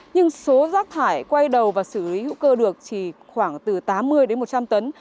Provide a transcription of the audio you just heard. nhưng số rác thải quay đầu và xử lý hữu cơ được chỉ khoảng từ tám mươi đến một trăm linh tấn